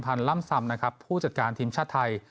พรรณร่ำสำผู้จัดการทีมชาติไทย